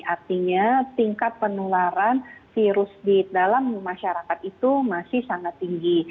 artinya tingkat penularan virus di dalam masyarakat itu masih sangat tinggi